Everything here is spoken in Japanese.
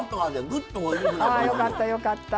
あよかったよかった。